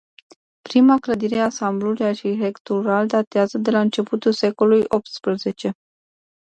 Prima clădire a ansambului arhitectural datează de la începutul secolului optsprezece.